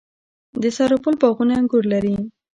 د سرپل باغونه انګور لري.